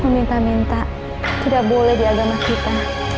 meminta minta tidak boleh di agama kita